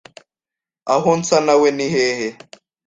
aho nsa nawe ni hehe